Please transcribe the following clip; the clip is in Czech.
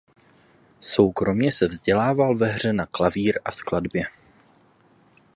Soukromě se vzdělával ve hře na klavír a skladbě.